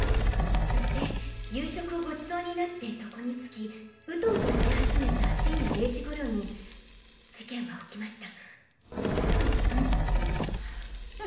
そして夕食をご馳走になって床に就きうとうとし始めた深夜零時頃に事件は起きました。